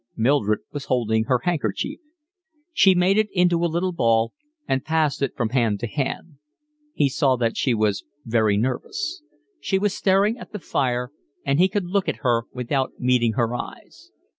Mildred was holding her handkerchief. She made it into a little ball, and passed it from hand to hand. He saw that she was very nervous. She was staring at the fire, and he could look at her without meeting her eyes.